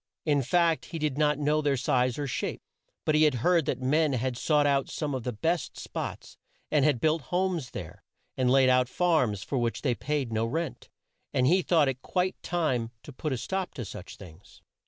In fact he did not know their size or shape, but he had heard that men had sought out some of the best spots, and had built homes there, and laid out farms for which they paid no rent, and he thought it quite time to put a stop to such things.